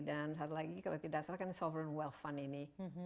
dan satu lagi kalau tidak salah sovereign wealth fund ini